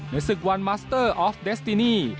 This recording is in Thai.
ศึกวันมัสเตอร์ออฟเดสตินี่